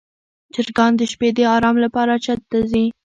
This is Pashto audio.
چرګان د شپې د آرام لپاره چت ته ځي.